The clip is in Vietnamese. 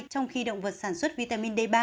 trong khi động vật sản xuất vitamin d ba